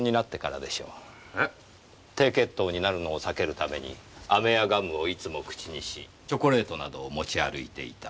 低血糖になるのを避けるためにアメやガムをいつも口にしチョコレートなどを持ち歩いてた。